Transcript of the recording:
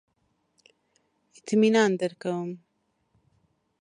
اطمینان درکوم.